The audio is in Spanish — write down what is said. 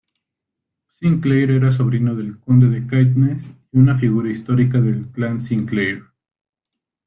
Sinclair era sobrino del Conde de Caithness y una figura histórica del Clan Sinclair.